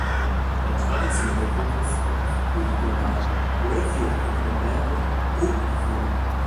Der traditionelle Grundriss war oft polygonal oder viereckig mit mehreren Bogenöffnungen.